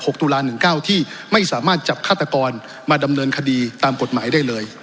ตุลาหนึ่งเก้าที่ไม่สามารถจับฆาตกรมาดำเนินคดีตามกฎหมายได้เลย